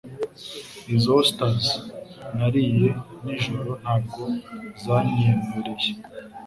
Izo osters nariye nijoro ntabwo zanyemereye.